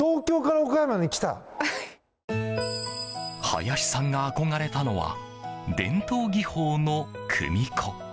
林さんが憧れたのは伝統技法の組子。